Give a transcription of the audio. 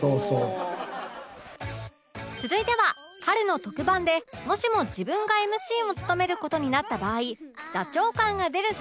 続いては春の特番でもしも自分が ＭＣ を務める事になった場合座長感が出る差し入れ